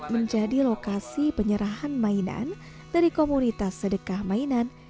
menjadi lokasi penyerahan mainan dari komunitas sedekah mainan